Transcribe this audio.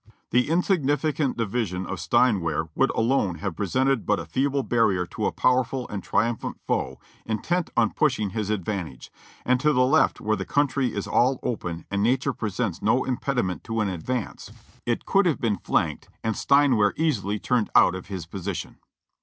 80) : "The insignificant division of Stein wehr would alone have presented but a feeble barrier to a powerful and triumphant foe intent on pushing his advantage, and to the left where the country is all open and nature presents no impediment to an advance, it GETTYSBURG 397 could have been llanked and Steinwehr easily turned out of his position.''